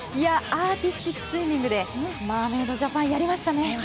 アーティスティックスイミングでマーメイドジャパンがやりましたね。